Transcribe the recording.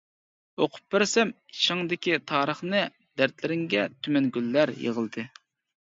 ئوقۇپ بەرسەم ئىچىڭدىكى تارىخنى، دەردلىرىڭگە تۈمەن گۈللەر يىغلىدى.